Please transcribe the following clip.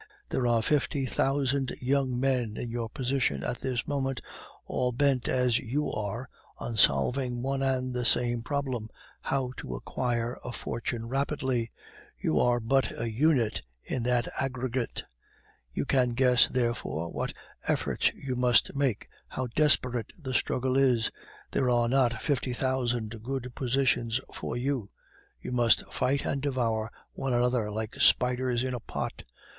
There are fifty thousand young men in your position at this moment, all bent as you are on solving one and the same problem how to acquire a fortune rapidly. You are but a unit in that aggregate. You can guess, therefore, what efforts you must make, how desperate the struggle is. There are not fifty thousand good positions for you; you must fight and devour one another like spiders in a pot.